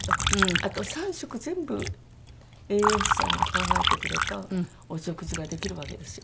あと三食全部栄養士さんが考えてくれたお食事ができるわけですよ。